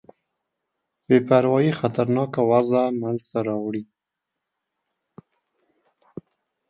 بې پروايي خطرناکه وضع منځته راوړې ده.